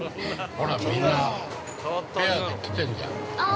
ほら、みんなペアで来てんじゃん。